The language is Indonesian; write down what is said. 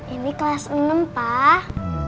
ini kelas enam pak